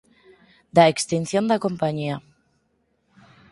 Da extinción da compañía